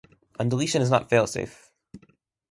Undeletion is not fail-safe.